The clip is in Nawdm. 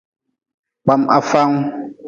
Kpam hafaangu.